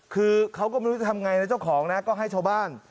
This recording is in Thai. คือเขาก็ไม่รู้จะทำไงนะเจ้าของนะก็ให้ชาวบ้าน